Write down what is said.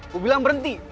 kau bilang berhenti